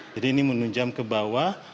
jadi ini menunjam ke bawah